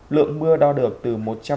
lượng mưa đo được từ một trăm năm mươi